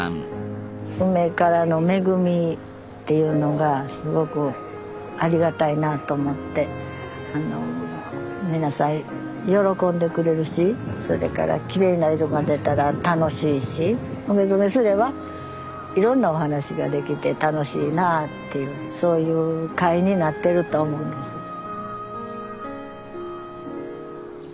梅からの恵みっていうのがすごくありがたいなと思って皆さん喜んでくれるしそれからきれいな色が出たら楽しいし梅染めすればいろんなお話ができて楽しいなあっていうそういう会になってると思います。